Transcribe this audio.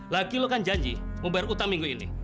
lagi lo kan janji mau bayar utang minggu ini